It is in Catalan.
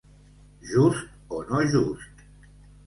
Just o no just.